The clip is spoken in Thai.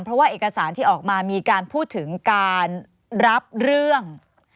เพราะว่าเอกสารที่ออกมามีการพูดถึงการรับเรื่อง